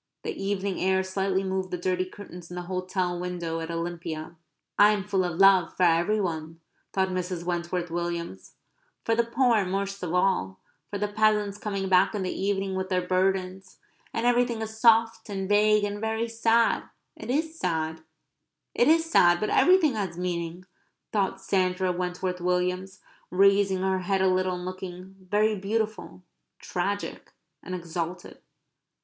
The evening air slightly moved the dirty curtains in the hotel window at Olympia. "I am full of love for every one," thought Mrs. Wentworth Williams, " for the poor most of all for the peasants coming back in the evening with their burdens. And everything is soft and vague and very sad. It is sad, it is sad. But everything has meaning," thought Sandra Wentworth Williams, raising her head a little and looking very beautiful, tragic, and exalted.